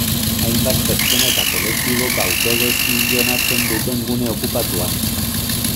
Hainbat pertsona eta kolektibok autogestionatzen duten gune okupatua.